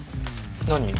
何？